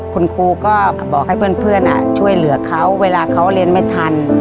คุณครูก็บอกให้เพื่อนช่วยเหลือเขาเวลาเขาเรียนไม่ทัน